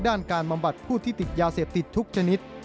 การบำบัดผู้ที่ติดยาเสพติดทุกชนิด